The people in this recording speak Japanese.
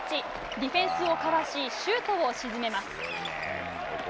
ディフェンスをかわしシュートを沈めます。